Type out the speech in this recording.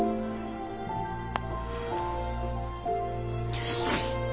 よし。